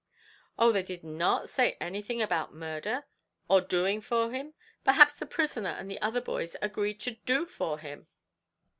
"Oh; they did not say anything about murder, or doing for him? perhaps the prisoner and the other boys agreed to do for him?"